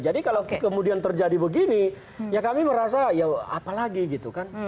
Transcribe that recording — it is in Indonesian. jadi kalau kemudian terjadi begini ya kami merasa apa lagi gitu kan